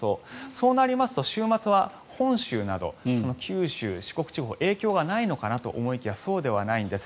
そうなりますと週末は本州など九州、四国地方影響がないのかなと思いきやそうではないんです。